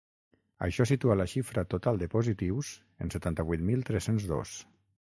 Això situa la xifra total de positius en setanta-vuit mil tres-cents dos.